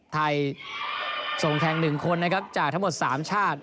ไทยส่งแข่ง๑คนจากทั้งหมด๓ชาติ